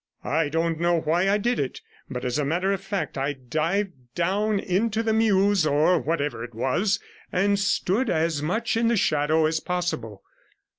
I don't know why I did it, but as a matter of fact I dived down into the mews, or whatever it was, and stood as much in the shadow as possible.